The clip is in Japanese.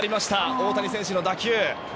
大谷選手の打球。